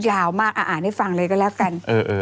ยาวมากอ่านให้ฟังเลยก็แล้วกัน